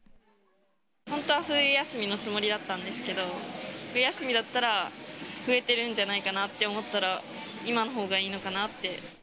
本当は冬休みのつもりだったんですけど、冬休みだったら増えてるんじゃないかなって思ったら、今のほうがいいのかなって。